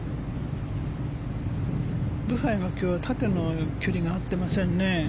ブハイは今日は縦の距離が合ってませんね。